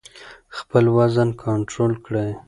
خپل وزن کنټرول کړئ.